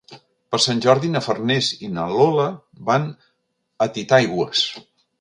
Per Sant Jordi na Farners i na Lola van a Titaigües.